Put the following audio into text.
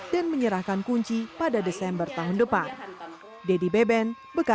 dan menyerahkan kunci pada desember tahun depan